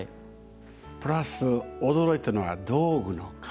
プラス驚いたのは道具の数。